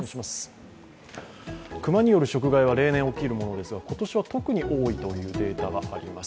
熊による食害は例年起きるものですが、今年は特に多いというデータがあります。